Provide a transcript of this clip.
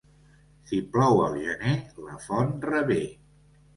Si plou al gener, la font revé.